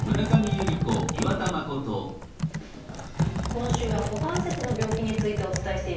今週は股関節の病気についてお伝えしています。